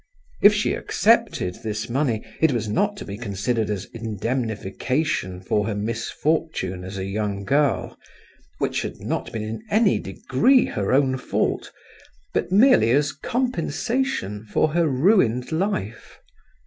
If she accepted this money it was not to be considered as indemnification for her misfortune as a young girl, which had not been in any degree her own fault, but merely as compensation for her ruined life.